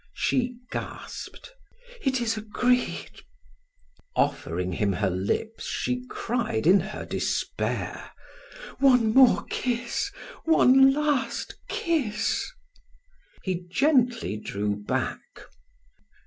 She gasped: "It is agreed"; offering him her lips she cried in her despair: "One more kiss one last kiss!" He gently drew back.